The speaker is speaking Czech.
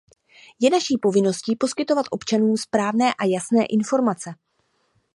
Je naší povinností poskytovat občanům správné a jasné informace.